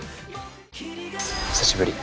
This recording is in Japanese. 久しぶり。